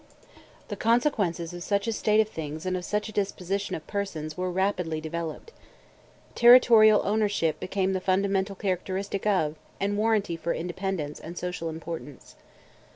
The consequences of such a state of things and of such a disposition of persons were rapidly developed. Territorial ownership became the fundamental characteristic of and warranty for independence and social importance.